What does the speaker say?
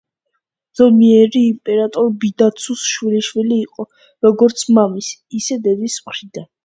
ძიომეი იმპერატორ ბიდაცუს შვილიშვილი იყო, როგორც მამის, ისე დედის მხრიდან.